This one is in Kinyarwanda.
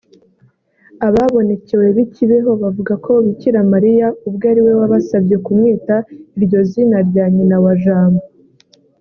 Ababonekewe b’i Kibeho bavuga ko Bikira Mariya ubwe ariwe wabasabye kumwita iryo zina rya Nyina wa Jambo